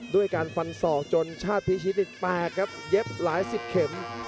ด้วยการฟันศอกจนชาติพิชิตแตกครับเย็บหลายสิบเข็ม